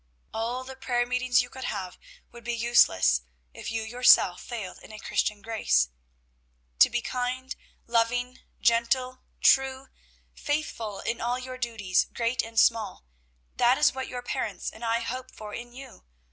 All the prayer meetings you could have would be useless, if you yourself failed in a Christian grace. "To be kind, loving, gentle, true, faithful in all your duties, great and small, that is what your parents and I hope for in you.